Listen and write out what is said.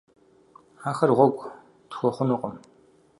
Ахэр гъуэгу тхуэхъунукъым.